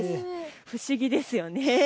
不思議ですよね。